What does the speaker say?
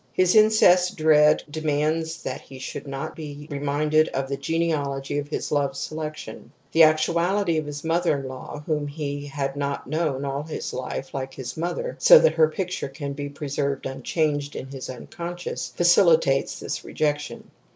His incest dread demands that he should not be reminded of the genealogy of his love selection ; the actuality of his mother in law, whom he had not known all his life like his mother so that her picture can be preserved unchanged in his unconscious, facilitates this rejection.